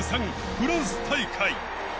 フランス大会。